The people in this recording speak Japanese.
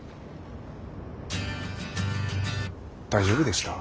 大丈夫でした？